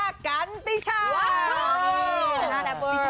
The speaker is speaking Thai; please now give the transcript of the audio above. น้องติช่ากันติช่า